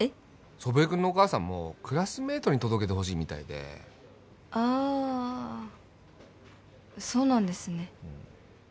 祖父江君のお母さんもクラスメイトに届けてほしいみたいであそうなんですね